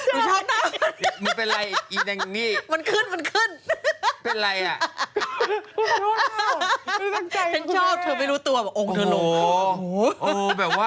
ไม่ใช่คุณแม่ไปกินแล้วคุณแม่ไปเปิดตัวกับเพื่อนปะล่ะ